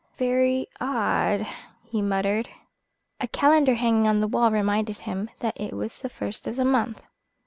"Very odd!" he muttered. A calendar hanging on the wall reminded him that it was the first of the month.